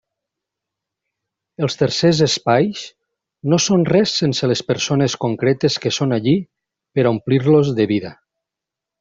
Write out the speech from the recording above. Els tercers espais no són res sense les persones concretes que són allí per a omplir-los de vida.